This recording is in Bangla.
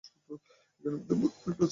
এখানেই আমাদের মরন লেখা আছে।